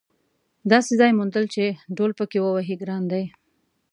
داسې ځای موندل چې ډهل پکې ووهې ګران دي.